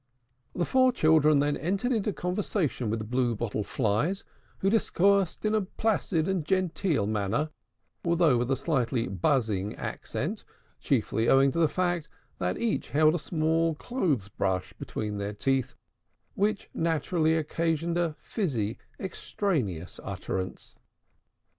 The four children then entered into conversation with the Blue Bottle Flies, who discoursed in a placid and genteel manner, though with a slightly buzzing accent, chiefly owing to the fact that they each held a small clothes brush between their teeth, which naturally occasioned a fizzy, extraneous utterance.